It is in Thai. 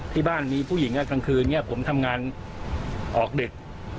ที่บ้านมีผู้หญิงครับกลางคืนผมทำงานออกดึก